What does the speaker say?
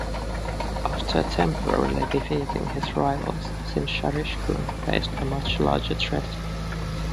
After temporarily defeating his rivals, Sinsharishkun faced a much larger threat.